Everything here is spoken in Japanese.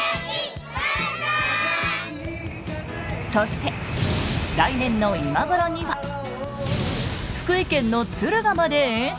そして来年の今頃には福井県の敦賀まで延伸。